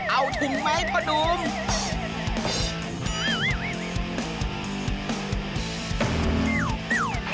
เอาถุงไหมพ่อหนู